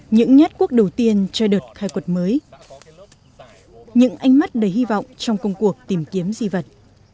những nhất quốc đầu tiên cho đợt khai quật mới những ánh mắt đầy hy vọng trong công cuộc tìm kiếm di vật